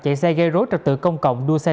chạy xe gây rối trật tự công cộng đua xe